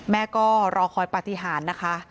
แม่ก็รอคอยปฏิหารนะคะ